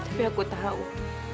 tapi aku tahu